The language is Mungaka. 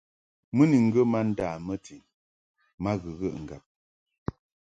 Mɨ ni ŋgə ma nda mɨtin ma ghəghəʼ ŋgab.